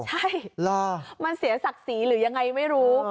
ใช่มันเสียศักดิ์ศรีหรือยังไงไม่รู้